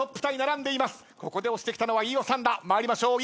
ここで押してきたのは飯尾さんだ参りましょう。